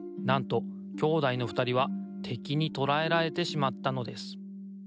なんと兄弟のふたりはてきにとらえられてしまったのです。